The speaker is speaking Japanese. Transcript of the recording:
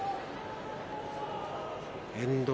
遠藤